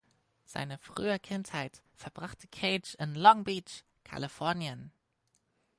Seine frühe Kindheit verbrachte Cage in Long Beach, Kalifornien.